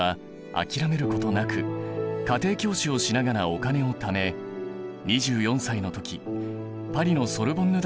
諦めることなく家庭教師をしながらお金をため２４歳の時パリのソルボンヌ大学に入学。